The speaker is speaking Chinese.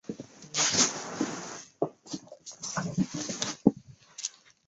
十一点是位于美国阿肯色州兰道夫县的一个非建制地区。